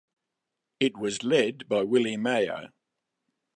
It was led by Willie Meyer.